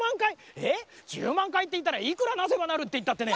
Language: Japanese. えっ１０まんかいっていったらいくらなせばなるっていったってね。